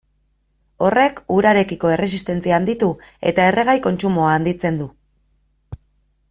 Horrek urarekiko erresistentzia handitu eta erregai kontsumoa handitzen du.